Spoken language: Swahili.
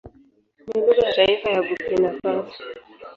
Ni lugha ya taifa ya Burkina Faso.